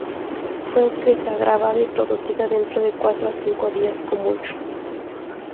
Fue escrita, grabada y producida dentro de cuatro o cinco días, como mucho.